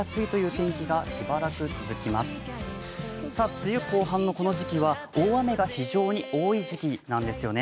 梅雨後半のこの時期は大雨が非常に多い時期なんですよね。